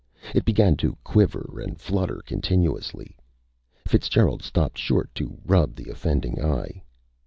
It began to quiver and flutter continuously. Fitzgerald stopped short to rub the offending eye.